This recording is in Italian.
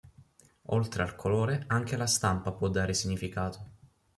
Oltre al colore, anche la stampa può dare significato.